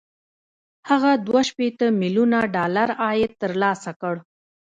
هغه دوه شپېته ميليونه ډالر عاید ترلاسه کړ